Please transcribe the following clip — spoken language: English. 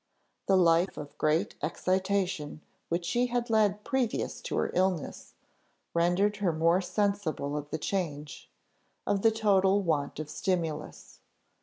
The life of great excitation which she had led previous to her illness, rendered her more sensible of the change, of the total want of stimulus.